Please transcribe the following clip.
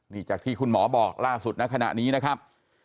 นี่จากที่คุณหมอบอกล่าสุดในขณะนี้นะครับ